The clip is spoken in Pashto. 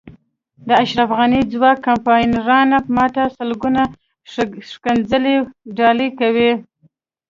د اشرف غني ځوان کمپاینران ما ته سلګونه ښکنځلې ډالۍ کوي.